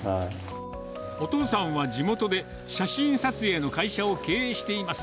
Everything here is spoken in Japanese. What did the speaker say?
お父さんは地元で写真撮影の会社を経営しています。